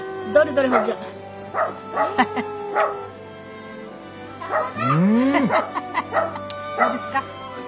どうですか？